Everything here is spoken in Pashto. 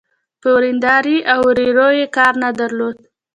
په وريندارې او ورېرې يې کار نه درلود.